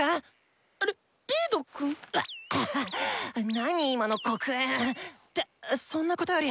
なに今の黒煙。ってそんなことより！